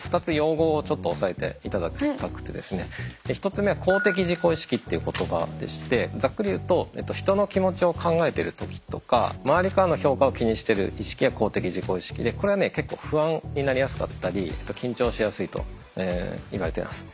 １つ目は公的自己意識っていう言葉でしてざっくり言うと人の気持ちを考えてる時とか周りからの評価を気にしてる意識が公的自己意識でこれはね結構不安になりやすかったり緊張しやすいといわれています。